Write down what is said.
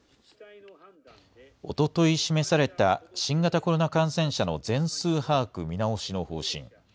おととい示された新型コロナ感染者の全数把握見直しの方針。